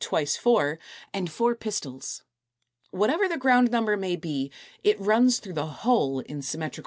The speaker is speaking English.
twice four), and four pistils. Whatever the ground number may be, it runs through the whole in symmetrical blossoms.